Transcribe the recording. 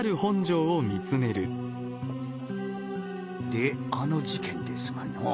であの事件ですがのぉ。